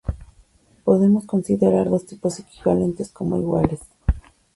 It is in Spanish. Podemos considerar dos tipos equivalentes como iguales